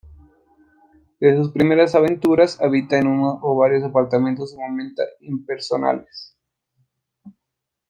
Desde sus primeras aventuras, habita en uno o varios apartamentos sumamente impersonales.